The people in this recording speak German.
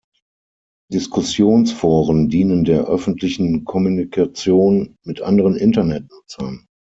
Diskussionsforen dienen der öffentlichen Kommunikation mit anderen Internet-Nutzern.